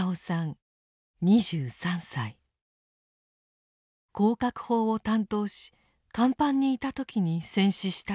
高角砲を担当し甲板にいた時に戦死したとみられています。